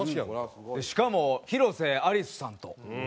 しかも広瀬アリスさんと。